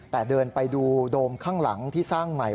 แต่เดินไปดูโดมข้างหลังที่สร้างใหม่